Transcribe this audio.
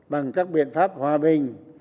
bằng các biện pháp hòa bình